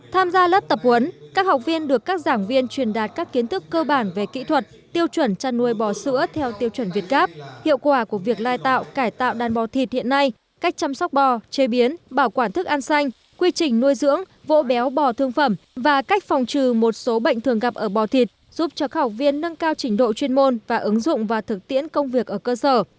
tham gia lớp tập huấn các học viên được các giảng viên truyền đạt các kiến thức cơ bản về kỹ thuật tiêu chuẩn trăn nuôi bò sữa theo tiêu chuẩn việt gáp hiệu quả của việc lai tạo cải tạo đàn bò thịt hiện nay cách chăm sóc bò chế biến bảo quản thức ăn xanh quy trình nuôi dưỡng vỗ béo bò thương phẩm và cách phòng trừ một số bệnh thường gặp ở bò thịt giúp cho khảo viên nâng cao trình độ chuyên môn và ứng dụng và thực tiễn công việc ở cơ sở